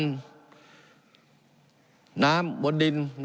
การปรับปรุงทางพื้นฐานสนามบิน